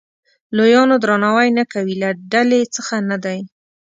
لویانو درناوی نه کوي له ډلې څخه نه دی.